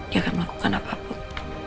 dia akan melakukan apapun